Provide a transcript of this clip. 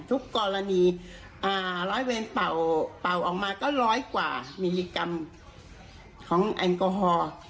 ทุกกรณีร้อยเวรเป่าออกมาก็ร้อยกว่ามิลลิกรัมของแอลกอฮอล์